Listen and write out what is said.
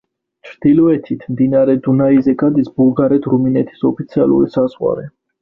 ჩრდილოეთით მდინარე დუნაიზე გადის ბულგარეთ-რუმინეთის ოფიციალური საზღვარი.